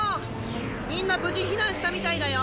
みんな無事避難したみたいだよ。